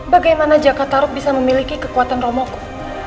bagaimana jakarta rup bisa memiliki kekuatan romoku